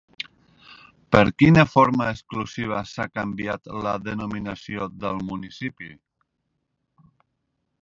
Per quina forma exclusiva s'ha canviat la denominació del municipi?